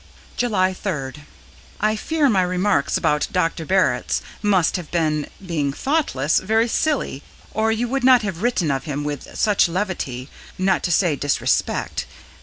July 3d. I fear my remarks about Dr. Barritz must have been, being thoughtless, very silly, or you would not have written of him with such levity, not to say disrespect.